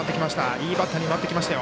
いいバッターに回ってきましたよ。